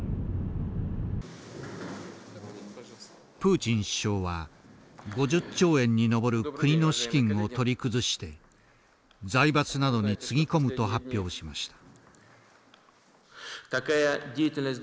プーチン首相は５０兆円に上る国の資金を取り崩して財閥などにつぎ込むと発表しました。